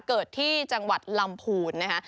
เกิดที่จังหวัดลำพูนนะคะ